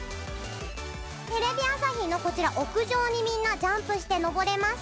テレビ朝日のこちら屋上にみんなジャンプして登れますか？